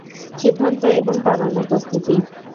সিদ্ধান্ত এবং তার অনুপস্থিতি।